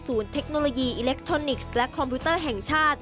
เทคโนโลยีอิเล็กทรอนิกส์และคอมพิวเตอร์แห่งชาติ